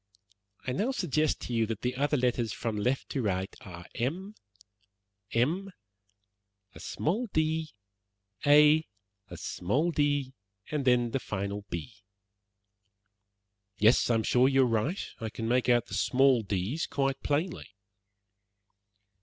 "I now suggest to you that the other letters from left to right are, M, M, a small d, A, a small d, and then the final B." "Yes, I am sure that you are right. I can make out the two small d's quite plainly."